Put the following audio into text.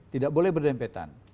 tidak boleh berdempetan